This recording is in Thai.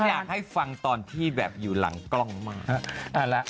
อยากให้ฟังตอนที่แบบอยู่หลังกล้องมาก